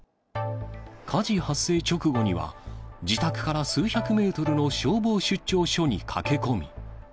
火事発生直後には、自宅から数百メートルの消防出張所に駆け込み。